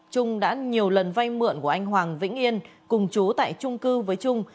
trung đã nhiều lần vay mượn của anh hoàng vĩnh yên cùng chú tại trung cư với trung